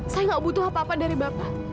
saya gak butuh apa apa dari bapak